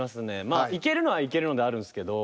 まあいけるのはいけるのであるんですけど。